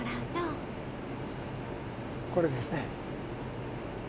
これですね。